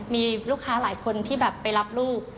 มีลูกค้าหลายคนที่แบบไปรับลูก